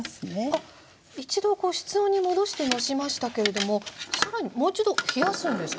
一度室温に戻してのしましたけれどもさらにもう一度冷やすんですか？